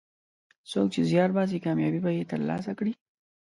څوک چې زیار باسي، کامیابي به یې ترلاسه کړي.